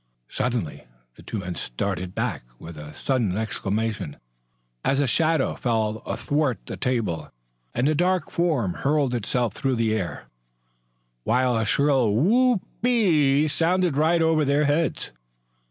Suddenly the two men started back with a sudden exclamation, as a shadow fell athwart the table and a dark form hurled itself through the air, while a shrill, "w h o o p e e!" sounded right over their heads.